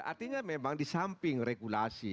artinya memang di samping regulasi